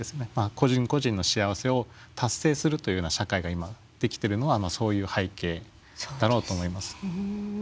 個人個人の幸せを達成するというような社会が今出来てるのはそういう背景だろうと思います。